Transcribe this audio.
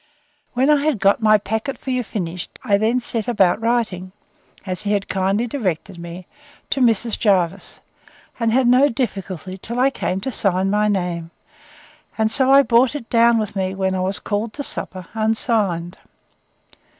When I had got my packet for you finished, I then set about writing, as he had kindly directed me, to Mrs. Jervis; and had no difficulty till I came to sign my name; and so I brought it down with me, when I was called to supper, unsigned.